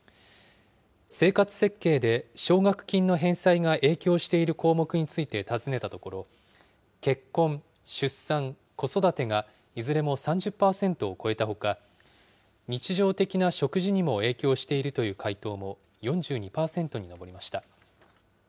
生活設計で奨学金の返済が影響している項目について尋ねたところ、結婚、出産、子育てがいずれも３０％を超えたほか、日常的な食事にも影響しているという回答も、４２％に上りました。